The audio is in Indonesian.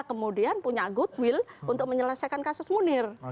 kemudian punya goodwill untuk menyelesaikan kasus munir